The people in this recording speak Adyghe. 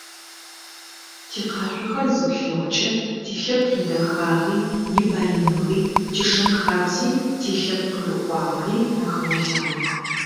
Тикъашъохэр зыплъэгъукӏэ тилъэпкъ идэхагъи, ибаиныгъи, тишэн-хабзи, тилъэпкъ къырыкӏуагъэри ахэолъагъох.